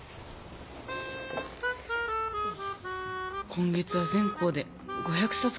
今月は全校で５００さつ